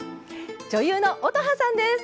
女優の乙葉さんです。